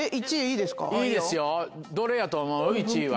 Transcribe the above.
いいですよどれやと思う１位は。